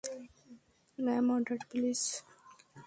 Ma'am, order please.